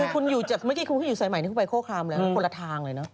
คือเมื่อกี้คุณก็อยู่ใส่ใหม่ที่เขาไปโฆษฆามแล้วคนละทางเลยนะ